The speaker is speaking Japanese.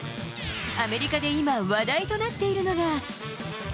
アメリカで今、話題となっているのが。